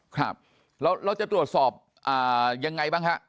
ครับเราจะตรวจสอบยังไงบ้างฮะ